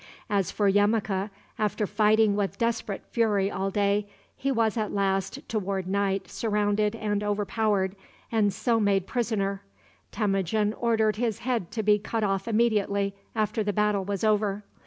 As for Yemuka, after fighting with desperate fury all day, he was at last, toward night, surrounded and overpowered, and so made prisoner. Temujin ordered his head to be cut off immediately after the battle was over.